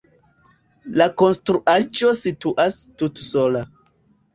La konstruaĵo situas tute sola.